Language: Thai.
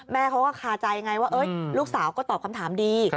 แม่เขาก็คาใจไงว่าลูกสาวก็ตอบคำถามดี